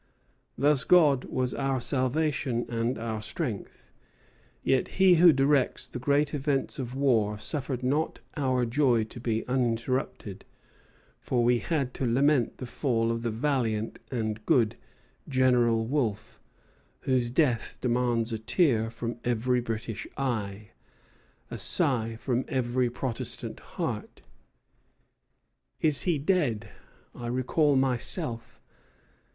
"Thus God was our salvation and our strength; yet he who directs the great events of war suffered not our joy to be uninterrupted, for we had to lament the fall of the valiant and good General Wolfe, whose death demands a tear from every British eye, a sigh from every Protestant heart. Is he dead? I recall myself.